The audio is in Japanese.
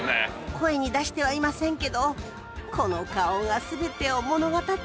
声に出してはいませんけどこの顔が全てを物語っています。